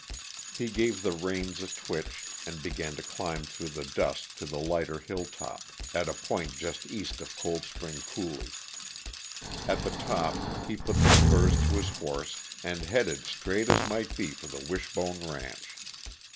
He gave the reins a twitch and began to climb through the dusk to the lighter hilltop, at a point just east of Cold Spring Coulee. At the top he put the spurs to his horse and headed straight as might be for the Wishbone ranch.